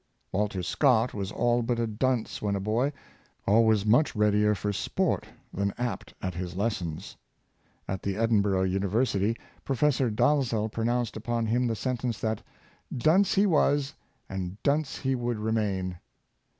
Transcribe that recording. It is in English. Walter Scott was all but a dunce when a boy, always much readier for sport than apt at his lessons. At the Edinburg University, Professor Dalzell pronounced upon him the sentence that " Dunce he was, and dunce he would remain."